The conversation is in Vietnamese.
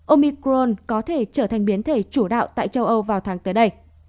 omicron có thể trở thành biến thể chủ đạo tại châu âu vào tháng tới đây